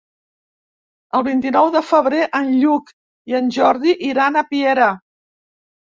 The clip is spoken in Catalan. El vint-i-nou de febrer en Lluc i en Jordi iran a Piera.